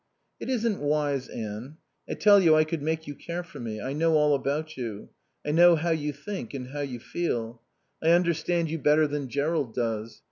"It isn't wise, Anne. I tell you I could make you care for me. I know all about you. I know how you think and how you feel. I understand you better than Jerrold does.